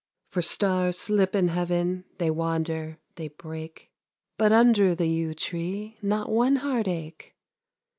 For stars slip in heaven, They wander, they break: But under the yew tree Not one heartache.